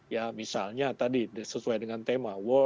ya misalnya tadi sesuai dengan tema